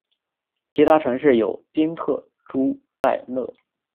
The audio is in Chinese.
其他城市有宾特朱拜勒。